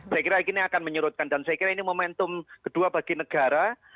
saya kira ini akan menyurutkan dan saya kira ini momentum kedua bagi negara